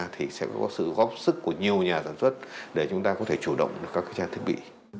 thì sẽ có sự góp sức của nhiều nhà sản xuất để chúng ta có thể chủ động được các trang thiết bị